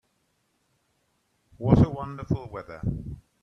What a wonderful weather!